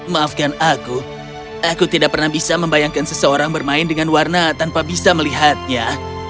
maafkan aku aku tidak pernah bisa membayangkan seseorang bermain dengan warna tanpa bisa melihatnya